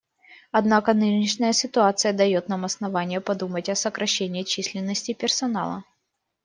Однако нынешняя ситуация дает нам основания подумать о сокращении численности персонала.